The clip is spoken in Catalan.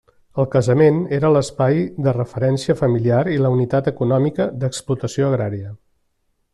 El casament era l'espai de referència familiar i la unitat econòmica d'explotació agrària.